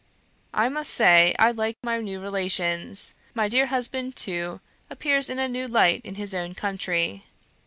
... "I must say I like my new relations. My dear husband, too, appears in a new light in his own country.